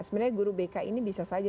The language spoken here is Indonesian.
sebenarnya guru bk ini bisa saja